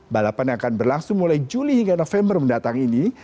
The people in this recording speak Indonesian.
balapan yang akan berlangsung mulai juli hingga november mendatang ini